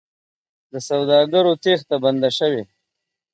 د سوداګرو تېښته بنده شوې؟